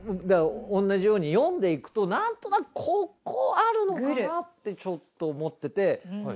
同じように読んで行くと何となくここあるのかなってちょっと思ってて。